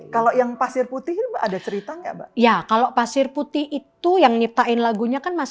kalau yang pasir putih ada cerita enggak ya kalau pasir putih itu yang nyiptain lagunya kan mas